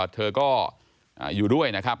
เธอก็อยู่ด้วยนะครับ